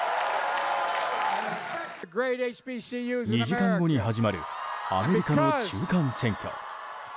２時間後に始まるアメリカの中間選挙。